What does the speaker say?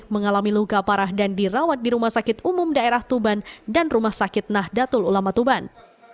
mengalami luka parah dan dirawat di rumah sakit umum daerah tuban dan rumah sakit nahdlatul ulama tuban